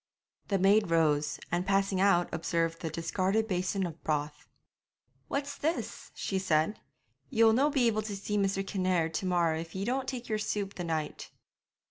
The maid rose, and passing out observed the discarded basin of broth. 'What's this?' she said. 'Ye'll no be able to see Mr. Kinnaird to morrow if ye don't take yer soup the night.'